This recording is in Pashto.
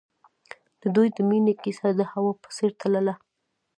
د دوی د مینې کیسه د هوا په څېر تلله.